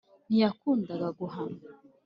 ntiyakundaga guhanwa